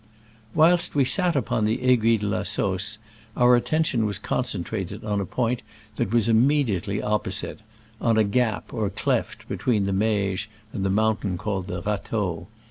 Whilst we sat upon the Aiguille de la Sausse our attention was concentrated on a point that was immediately oppo site — on a gap or cleft between the Meije and the mountain called the Rateau.